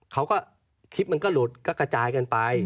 คลิปมันก็หลุดก็กระจายกันไป